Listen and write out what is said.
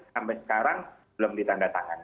sampai sekarang belum ditanda tangan